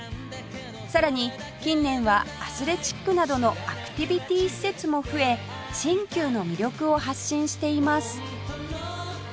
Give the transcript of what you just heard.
さらに近年はアスレチックなどのアクティビティ施設も増え新旧の魅力を発信しています